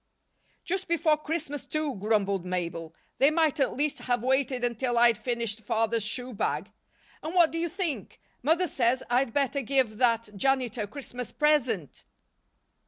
"Just before Christmas, too," grumbled Mabel. "They might at least have waited until I'd finished Father's shoe bag. And what do you think? Mother says I'd better give that Janitor a Christmas present!"